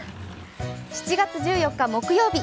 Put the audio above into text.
７月１４日木曜日。